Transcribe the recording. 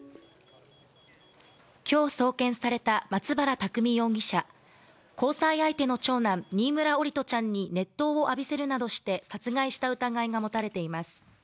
今日、送検された松原拓海容疑者交際相手の長男、新村桜利斗ちゃんに熱湯を浴びせるなどして殺害した疑いが持たれています。